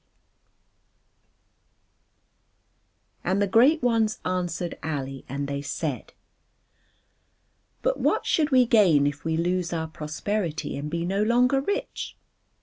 And the great ones answered Ali and they said: "But what should we gain if we lose our prosperity and be no longer rich?"